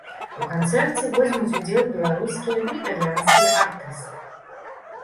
У канцэрце возьмуць удзел беларускія ды італьянскія артысты.